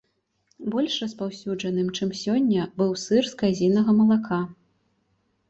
Больш распаўсюджаным, чым сёння, быў сыр з казінага малака.